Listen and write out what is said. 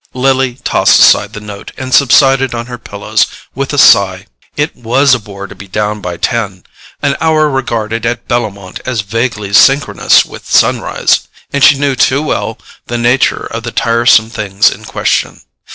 Lily tossed aside the note and subsided on her pillows with a sigh. It WAS a bore to be down by ten—an hour regarded at Bellomont as vaguely synchronous with sunrise—and she knew too well the nature of the tiresome things in question.